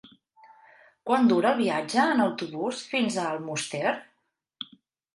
Quant dura el viatge en autobús fins a Almoster?